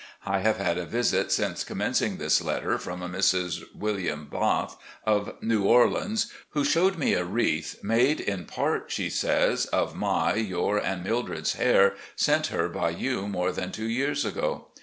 I have had a visit since commencing this letter from a Mrs. William Bath, of New Orleans, who showed me a wreath, made in part, she says, of my, your and Mildred's hair, sent her by you more than two years ago.